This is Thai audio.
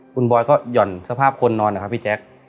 คุณบอยก็หย่อนสภาพคนนอนนะครับพี่แจ๊ค